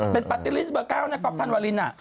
เป็นปาร์ตี้ลิสต์เบอร์๙นะก๊อปธันวาลิน